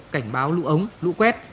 cảnh báo lũ ống lũ quét